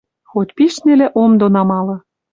Хоть пиш нелӹ ом дон амалы